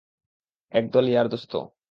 একদল ইয়ার দোস্ত।